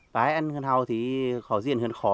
bà ấy ăn gần hầu thì khó diện hơn khó